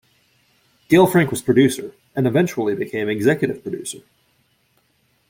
Gail Frank was Producer and eventually became Executive Producer.